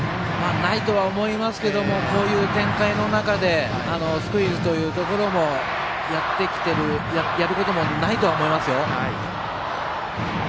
ないとは思いますけれどもこういう展開の中でスクイズというところもやることもないとは思いますよ。